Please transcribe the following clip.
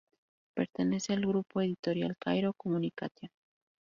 Pertenece al grupo editorial Cairo Communication.